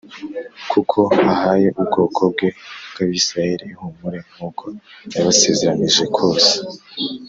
kuko ahaye ubwoko bwe bw’Abisirayeli ihumure nk’uko yabasezeranije kose